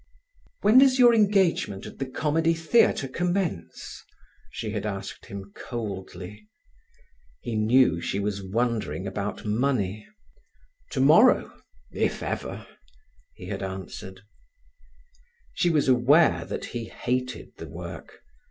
"When does your engagement at the Comedy Theatre commence?" she had asked him coldly. He knew she was wondering about money. "Tomorrow—if ever," he had answered. She was aware that he hated the work.